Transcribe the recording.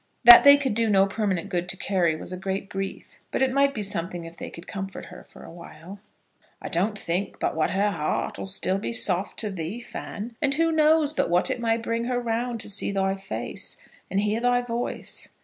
That they could do no permanent good to Carry was a great grief. But it might be something if they could comfort her for awhile. "I don't think but what her heart 'll still be soft to thee, Fan; and who knows but what it may bring her round to see thy face, and hear thy voice."